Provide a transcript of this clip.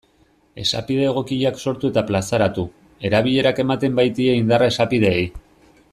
Esapide egokiak sortu eta plazaratu, erabilerak ematen baitie indarra esapideei.